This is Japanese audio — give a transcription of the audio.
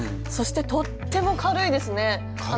そしてとっても軽いですね。